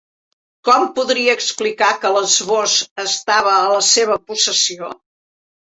Com podria explicar que l'esbós estava a la seva possessió.